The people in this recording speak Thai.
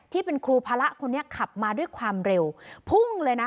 ที่เป็นครูภาระคนนี้ขับมาด้วยความเร็วพุ่งเลยนะ